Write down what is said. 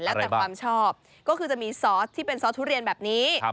แล้วแต่ความชอบก็คือจะมีซอสที่เป็นซอสทุเรียนแบบนี้